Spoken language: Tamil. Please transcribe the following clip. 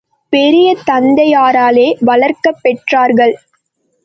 பெரிய தந்தையாராலே வளர்க்கப் பெற்றார்கள்.